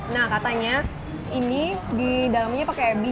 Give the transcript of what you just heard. nah katanya ini di dalamnya pakai ebi